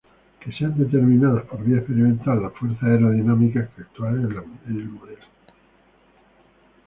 Que sean determinadas por vía experimental las fuerzas aerodinámicas que actúan en el modelo.